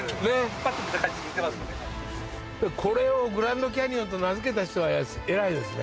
これをグランドキャニオンと名づけた人がえらいですね。